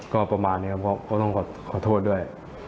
ก็ประมาณนี้ครับก็ต้องขอโทษด้วย